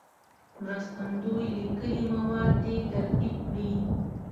مرستندوی لیکلي مواد دې ترتیب کړي.